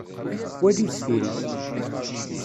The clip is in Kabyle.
Wali deffir-ik.